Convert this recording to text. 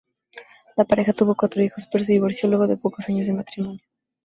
La pareja tuvo cuatro hijos, pero se divorció luego de pocos años de matrimonio.